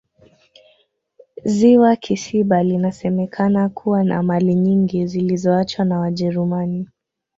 ziwa kisiba linasemekana kuwa na mali nyingi zilizoachwa na wajerumani